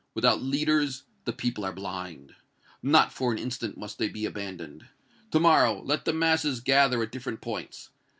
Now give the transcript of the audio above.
Without leaders, the people are blind! Not, for an instant, must they be abandoned! To morrow, let the masses gather at different points!